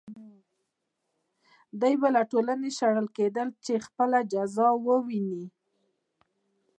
دوی به له ټولنې شړل کېدل چې خپله جزا وویني.